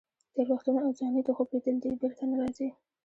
تېر وختونه او ځواني د خوب لیدل دي، بېرته نه راځي.